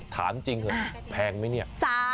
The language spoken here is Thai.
ถามจริงเถอะแพงไหมเนี่ย